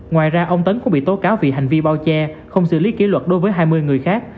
ngoài ra ông tấn cũng bị tố cáo vì hành vi bao che không xử lý kỷ luật đối với hai mươi người khác